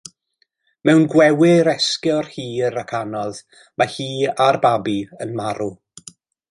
Mewn gwewyr esgor hir ac anodd, mae hi a'r babi yn marw.